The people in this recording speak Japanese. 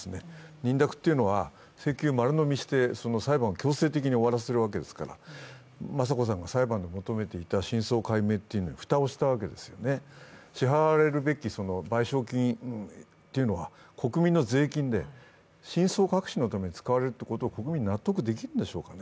認諾というのは、請求を丸のみして裁判を強制的に終わらせるわけですから、雅子さんが裁判で求めていた真相解明に蓋をしたわけですね、支払われるべき賠償金というのは国民の税金で、真相隠しのために使われることに国民は納得できるんでしょうかね。